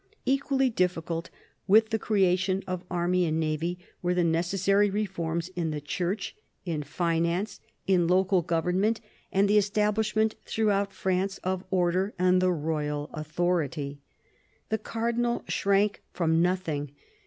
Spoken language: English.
Equally difficult with the creation of army and navy were the necessary reforms in the Church, in finance, in local government, and the establishment throughout France of order and the royal authority. The Cardinal shrank from nothing.